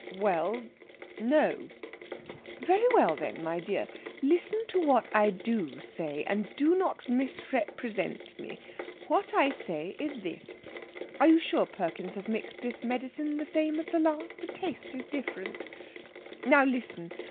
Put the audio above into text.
"Well, no!" "Very well, then, my dear, listen to what I do say, and do not misrepresent me. What I say is this (Are you sure Perkins has mixed this medicine the same as the last? The taste's different) Now listen!